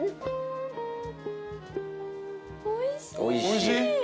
おいしい。